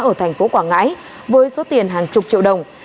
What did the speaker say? ở tp quảng ngãi với số tiền hàng chục triệu đồng